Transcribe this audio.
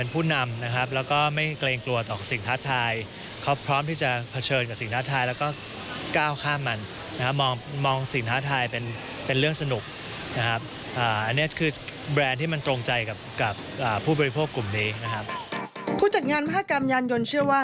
ผู้จัดงานมหากรรมยานยนต์เชื่อว่า